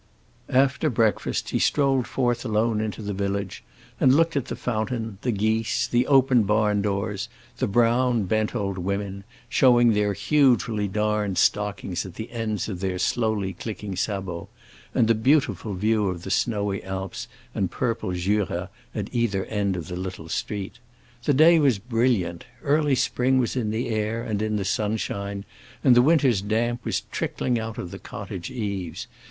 After breakfast he strolled forth alone into the village and looked at the fountain, the geese, the open barn doors, the brown, bent old women, showing their hugely darned stocking heels at the ends of their slowly clicking sabots, and the beautiful view of snowy Alps and purple Jura at either end of the little street. The day was brilliant; early spring was in the air and in the sunshine, and the winter's damp was trickling out of the cottage eaves.